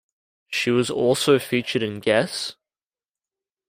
She was also featured in Guess?